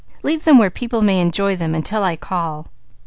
"Leave them where people may enjoy them until I call."